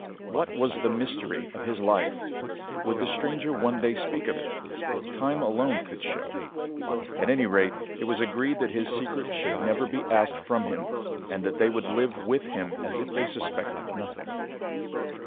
What was the mystery of his life? Would the stranger one day speak of it? Time alone could show. At any rate, it was agreed that his secret should never be asked from him, and that they would live with him as if they suspected nothing.